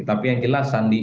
tapi yang jelas sandi